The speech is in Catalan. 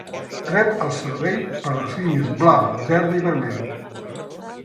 Rep el servei per les línies blava, verda i vermella.